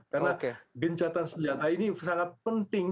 karena gencatan senjata ini sangat penting